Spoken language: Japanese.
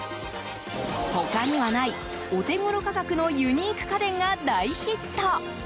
他にはない、お手頃価格のユニーク家電が大ヒット。